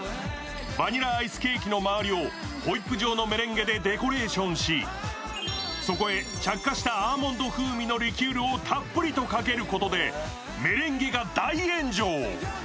バニラアイスケーキの周りをホイップ状のメレンゲでデコレーションしそこへ着火したアーモンド風味のリキュールをたっぷりとかけることでメレンゲが大炎上。